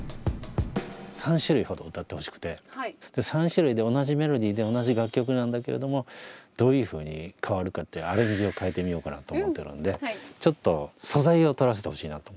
３種類で同じメロディーで同じ楽曲なんだけれどもどういうふうに変わるかってアレンジを変えてみようかなと思ってるんでちょっと素材を録らせてほしいなと思って。